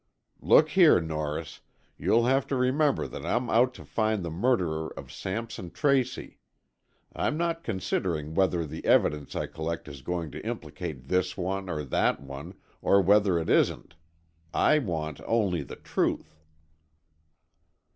"Look here, Norris, you'll have to remember that I'm out to find the murderer of Sampson Tracy. I'm not considering whether the evidence I collect is going to implicate this one or that one, or whether it isn't. I want only the truth."